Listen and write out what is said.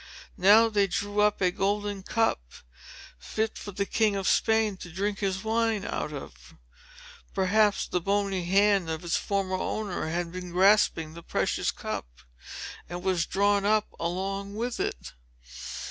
Now they drew up a golden cup, fit for the king of Spain to drink his wine out of. Perhaps the bony hand of its former owner had been grasping the precious cup, and was drawn up along with it.